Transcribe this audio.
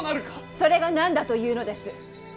それが何だというのです！